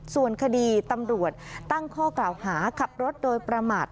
ส่วนคดีตำรวจตั้งข้อกล่าวหาขับรถโดยประมาท